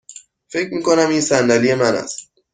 فکر می کنم این صندلی من است.